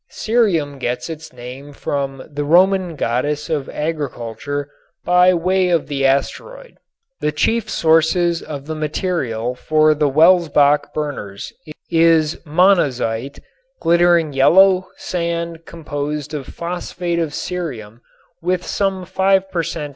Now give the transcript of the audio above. Cerium gets its name from the Roman goddess of agriculture by way of the asteroid. The chief sources of the material for the Welsbach burners is monazite, a glittering yellow sand composed of phosphate of cerium with some 5 per cent.